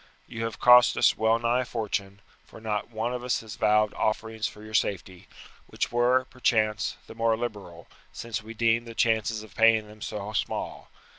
You have cost us well nigh a fortune, for not one of us but vowed offerings for your safety, which were, perchance, the more liberal, since we deemed the chances of paying them so small.